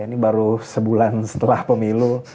ini baru sebulan setelah pemilu